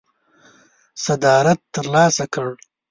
صدارت ترلاسه کړ.